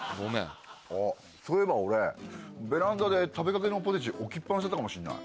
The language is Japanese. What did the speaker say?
あっそういえば俺ベランダで食べかけのポテチ置きっ放しだったかもしれない。